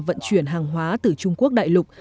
vận chuyển hàng hóa từ trung quốc đại lục